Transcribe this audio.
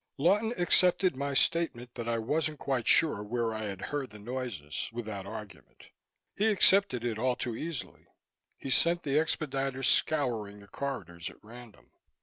Lawton accepted my statement that I wasn't quite sure where I had heard the noises, without argument. He accepted it all too easily; he sent the expediters scouring the corridors at random.